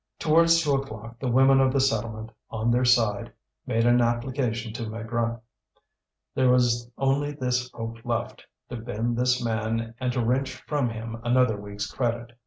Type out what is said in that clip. Towards two o'clock the women of the settlement, on their side, made an application to Maigrat. There was only this hope left, to bend this man and to wrench from him another week's credit.